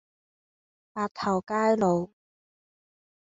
白頭偕老